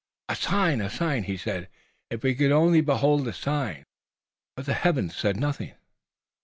"A sign! A sign!" he said. "If we could only behold a sign!" But the heavens said nothing.